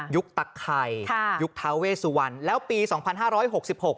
ตะไข่ค่ะยุคท้าเวสุวรรณแล้วปีสองพันห้าร้อยหกสิบหก